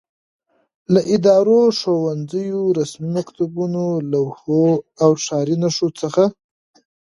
له ادارو، ښوونځیو، رسمي مکتوبونو، لوحو او ښاري نښو څخه